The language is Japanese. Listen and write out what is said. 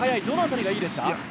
どの辺りがいいですか？